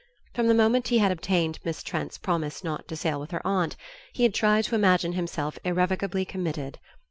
From the moment he had obtained Miss Trent's promise not to sail with her aunt he had tried to imagine himself irrevocably committed.